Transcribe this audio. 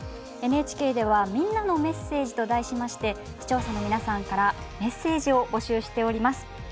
ＮＨＫでは「みんなのメッセージ」と題しまして視聴者の皆さんからメッセージを募集しております。